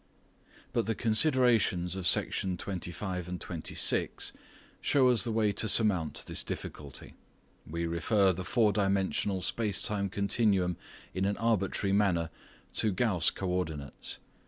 But the considerations of Sections 25 and 26 show us the way to surmount this difficulty. We refer the fourdimensional space time continuum in an arbitrary manner to Gauss co ordinates.